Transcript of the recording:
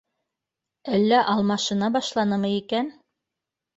— Әллә алмашына башланымы икән?